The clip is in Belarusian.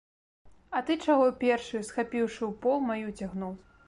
А ты чаго першы, схапіўшы ўпол, маю цягнуў?